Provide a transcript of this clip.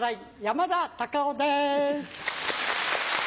山田隆夫です。